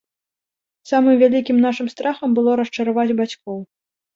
Самым вялікім нашым страхам было расчараваць бацькоў.